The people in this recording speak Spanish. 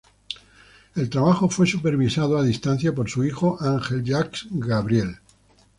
El trabajo fue supervisado, a distancia, por su hijo Ange-Jacques Gabriel.